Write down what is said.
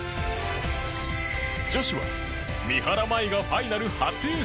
女子は三原舞依がファイナル初優勝。